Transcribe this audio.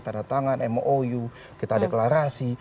tanda tangan mou kita deklarasi